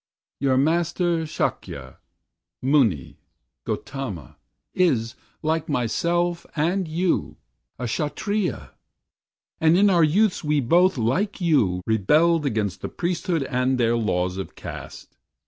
"Your Master, Sakya, Muni, Gautama, Is, like myself and you, a Kshatriya, And in our youths we both, like you, rebelled Against the priesthood and their laws of caste.